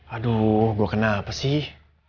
aduh gue kenapa sih